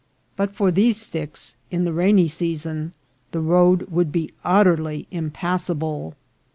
But for these sticks, in the rainy season the road would be utterly impassable.